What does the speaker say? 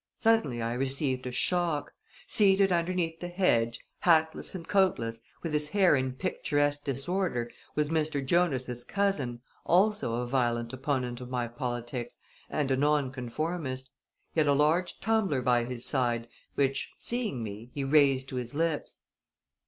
Suddenly I received a shock. Seated underneath the hedge, hatless and coatless, with his hair in picturesque disorder, was Mr. Jonas' cousin, also a violent opponent of my politics, and a nonconformist. He had a huge tumbler by his side, which seeing me he raised to his lips.